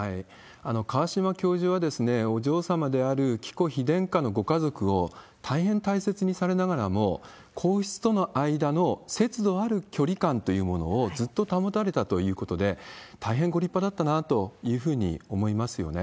川嶋教授はお嬢様である紀子妃殿下のご家族を大変大切にされながらも、皇室との間の節度ある距離感というものをずっと保たれたということで、大変ご立派だったなというふうに思いますよね。